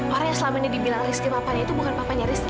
orang yang selama ini dibilang rizky papannya itu bukan papanya rizky